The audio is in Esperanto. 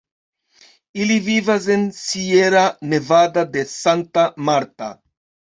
Ili vivas en Sierra Nevada de Santa Marta.